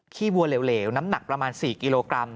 ้วัวเหลวน้ำหนักประมาณ๔กิโลกรัม